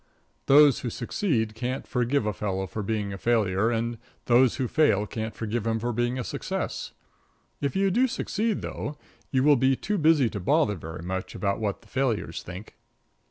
Those who succeed can't forgive a fellow for being a failure, and those who fail can't forgive him for being a success. If you do succeed, though, you will be too busy to bother very much about what the failures think.